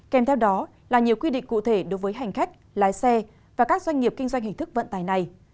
kèm theo đó là nhiều quy định cụ thể đối với hành khách lái xe và các doanh nghiệp kinh doanh hình thức vận tài này